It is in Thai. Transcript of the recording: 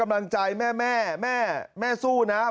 แถลงการแนะนำพระมหาเทวีเจ้าแห่งเมืองทิพย์